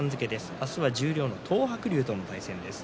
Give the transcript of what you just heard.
明日は十両の東白龍との対戦です。